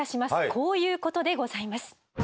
こういうことでございます。